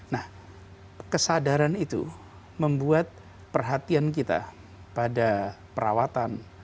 nah kesadaran itu membuat perhatian kita pada perawatan